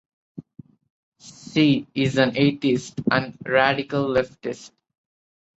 She is an atheist and radical leftist.